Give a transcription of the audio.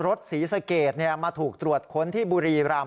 ศรีสะเกดมาถูกตรวจค้นที่บุรีรำ